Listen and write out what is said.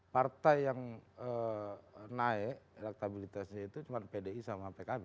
partai yang naik elektabilitasnya itu cuma pdi sama pkb